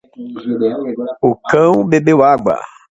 O cão bebeu água.